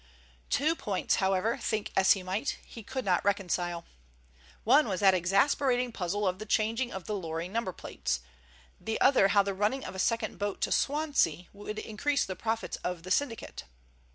Two points, however, think as he might, he could not reconcile. One was that exasperating puzzle of the changing of the lorry number plates, the other how the running of a second boat to Swansea would increase the profits of the syndicate.